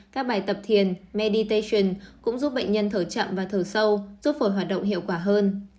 các bài tập thiền meditation cũng giúp bệnh nhân thở chậm và thở sâu giúp phổi hoạt động hiệu quả hơn